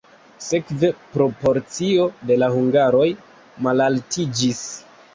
Sekve proporcio de la hungaroj malaltiĝis.